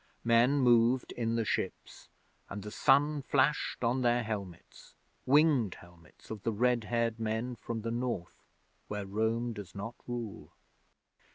Men moved in the ships, and the sun flashed on their helmets winged helmets of the red haired men from the North where Rome does not rule.